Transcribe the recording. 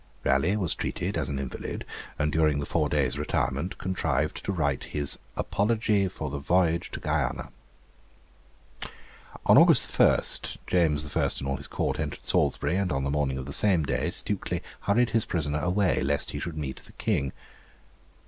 Raleigh was treated as an invalid, and during the four days' retirement contrived to write his Apology for the Voyage to Guiana. On August 1, James I. and all his Court entered Salisbury, and on the morning of the same day Stukely hurried his prisoner away lest he should meet the King.